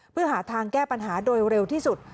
เพื่อหาทางแก้ปัญหาโดยเร็วที่สุด